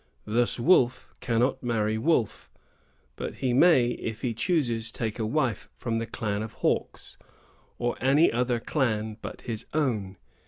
Thus Wolf cannot marry Wolf; but he may, if he chooses, take a wife from the clan of Hawks, or any other clan but his own.